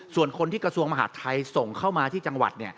ส่วนคนที่กระทรวงมหาดไทยส่งเข้ามาที่จังหวัด